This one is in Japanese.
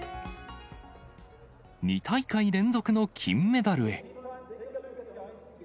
２大会連続の金メダルへ。